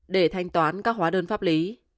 để thanh toán các hóa đơn pháp lý